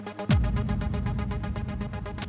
balikin kalung gue sekarang